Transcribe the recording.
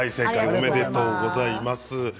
おめでとうございます。